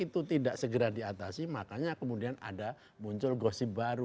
itu tidak segera diatasi makanya kemudian ada muncul gosip baru